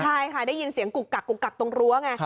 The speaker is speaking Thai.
ใช่ค่ะได้ยินเสียงกุกกักกุกกักตรงรั้วไง